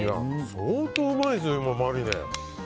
相当うまいですよ、マリネ。